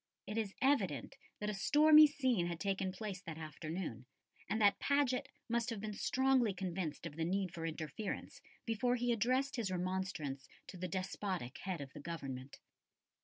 It is evident that a stormy scene had taken place that afternoon, and that Paget must have been strongly convinced of the need for interference before he addressed his remonstrance to the despotic head of the Government.